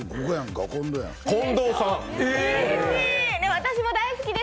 私も大好きです！